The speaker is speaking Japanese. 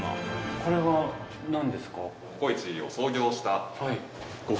これは何ですか？